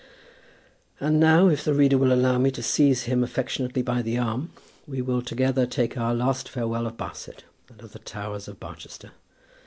And now, if the reader will allow me to seize him affectionately by the arm, we will together take our last farewell of Barset and of the towers of Barchester.